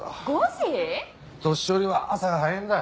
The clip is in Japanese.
年寄りは朝が早いんだ。